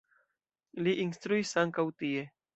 Li instruis ankaŭ tie.